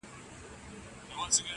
چي كورنۍ يې.